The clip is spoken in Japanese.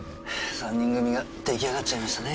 ３人組が出来上がっちゃいましたね。